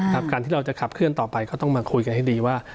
การที่เราจะขับเคลื่อนต่อไปก็ต้องมาคุยกันให้ดีว่า